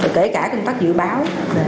rồi kể cả công tác dự báo